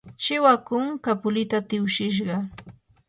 chiwakum kapulita tiwshishqa.